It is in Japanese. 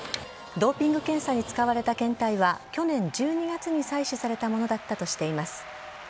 ドーピング検査に使われた検体は去年１２月に採取されたものだったとしています。